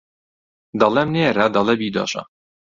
دەڵێم نێرە دەڵێ بیدۆشە